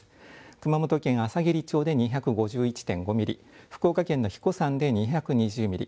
熊本県あさぎり町で２５１．５ミリ福岡県の英彦山で２２０ミリ